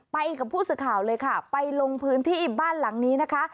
ไปกับผู้สื่อข่าวเลยค่ะไปลงพื้นที่บ้านหลังนี้นะคะ